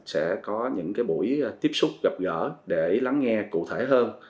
sẽ có những buổi tiếp xúc gặp gỡ để lắng nghe cụ thể hơn